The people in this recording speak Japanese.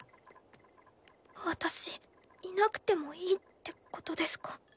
私いなくてもいいってことですか？